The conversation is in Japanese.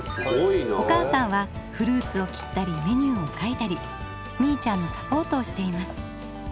お母さんはフルーツを切ったりメニューを書いたりみいちゃんのサポートをしています。